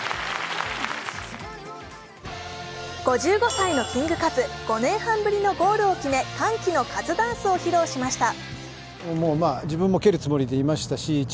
５５歳のキングカズ、５年半ぶりのゴールを決め歓喜のカズダンスを披露しました。